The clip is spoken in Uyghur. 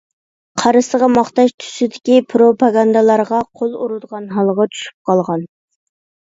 قارىسىغا ماختاش تۈسىدىكى پروپاگاندالارغا قول ئۇرىدىغان ھالغا چۈشۈپ قالغان.